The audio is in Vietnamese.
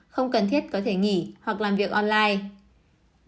không cần thiết có thể nghỉ hoặc làm việc online